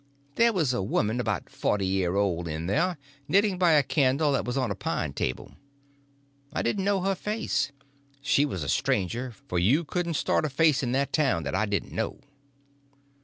There was a woman about forty year old in there knitting by a candle that was on a pine table. I didn't know her face; she was a stranger, for you couldn't start a face in that town that I didn't know.